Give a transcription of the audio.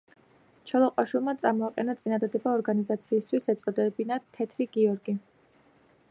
ჩოლოყაშვილმა წამოაყენა წინადადება ორგანიზაციისთვის ეწოდებინათ „თეთრი გიორგი“.